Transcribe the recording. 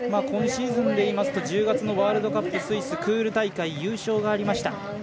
今シーズンでいいますと１０月のワールドカップスイスクール大会優勝がありました。